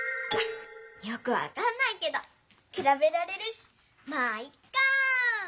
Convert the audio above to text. よくわかんないけどくらべられるしまぁいっか！